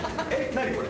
何これ？